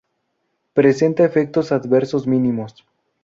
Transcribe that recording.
Presenta efectos adversos mínimos.